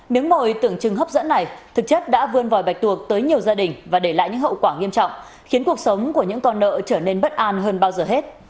miếng mồi tưởng chừng hấp dẫn này thực chất đã vươn vòi bạch tuộc tới nhiều gia đình và để lại những hậu quả nghiêm trọng khiến cuộc sống của những con nợ trở nên bất an hơn bao giờ hết